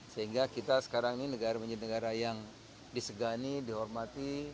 sehingga kita sekarang ini negara menjadi negara yang disegani dihormati